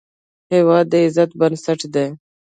هېواد د عزت بنسټ دی.